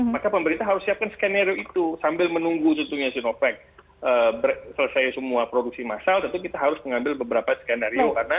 maka pemerintah harus siapkan skenario itu sambil menunggu tentunya sinovac selesai semua produksi massal tentu kita harus mengambil beberapa skenario